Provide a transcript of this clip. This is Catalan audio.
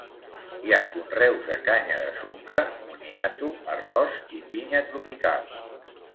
Hi ha conreus de canya de sucre, moniato, arròs, i pinya tropical.